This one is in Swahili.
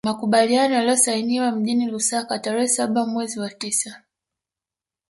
Makubaliano yaliyosainiwa mjini Lusaka tarehe saba mewrezi wa tisa